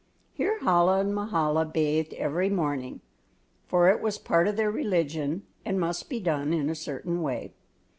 Here Chola and Mahala bathed every morning, for it was part of their religion and must be done in a certain way.